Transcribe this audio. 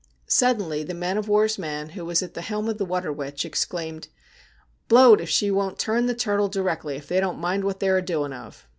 Suddenly the man of war's man, who was at the helm of the ' Water Witch,' exclaimed :' Blowed if she won't turn the turtle directly if they don't mind what they are a doing of.'